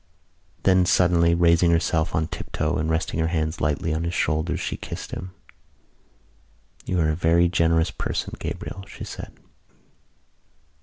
Then, suddenly raising herself on tiptoe and resting her hands lightly on his shoulders, she kissed him. "You are a very generous person, Gabriel," she said.